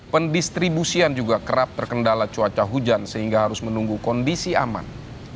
pendistribusian juga kerap terkendala cuaca hujan sehingga harus menunggu kondisi aman